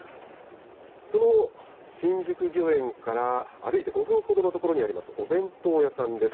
その新宿御苑から歩いて５分ほどの所にありますお弁当屋さんです。